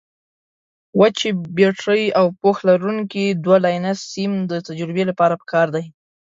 وچې بټرۍ او پوښ لرونکي دوه لینه سیم د تجربې لپاره پکار دي.